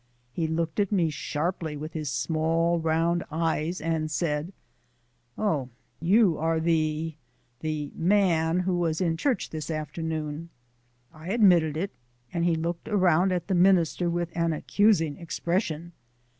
He looked at me sharply with his small, round eyes, and said: "Oh, you are the the man who was in church this afternoon." I admitted it, and he looked around at the minister with an accusing expression.